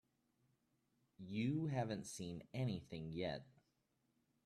You haven't seen anything yet.